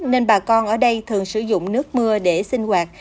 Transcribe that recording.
nên bà con ở đây thường sử dụng nước mưa để sinh hoạt